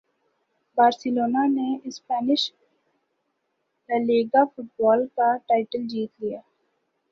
Barcelona نے Spanish La Liga football کا title جیت لیا